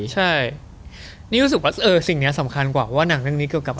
ใช่นี่รู้สึกว่าสิ่งนี้สำคัญกว่าว่าหนังเรื่องนี้เกี่ยวกับ